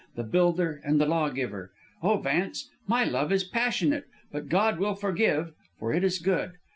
the builder and the law giver! Oh, Vance, my love is passionate, but God will forgive, for it is good.